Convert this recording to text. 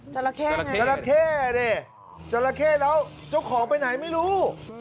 จราเข้ไงจราเข้ดิจราเข้แล้วเจ้าของไปไหนไม่รู้